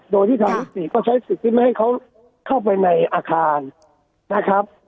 โดยที่ทางยุติก็ใช้สิทธิ์ที่ไม่ให้เขาเข้าไปในอาคารนะครับ